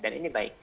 dan ini baik